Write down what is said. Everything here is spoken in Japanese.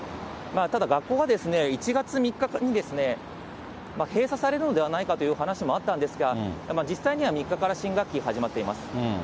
ただ、学校は１月３日に閉鎖されるのではないかという話もあったんですが、実際には３日から新学期始まっています。